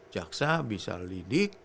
jaksa bisa lidik